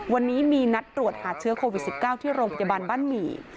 วันนี้มีนัดตรวจหาเชื้อโควิด๑๙ที่โรงพยาบาลบ้านหมี่